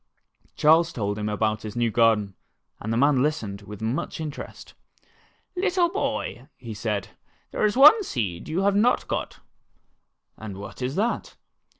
Charles told him about his new garden, and the man listened with much interest. ''Little boy," said he, "there is one seed that you have not got." "And what is that?"